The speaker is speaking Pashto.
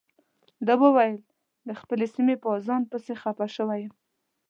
ده وویل د خپلې سیمې په اذان پسې خپه شوی یم.